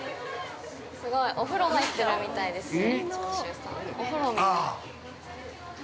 すごい。お風呂入ってるみたいですね。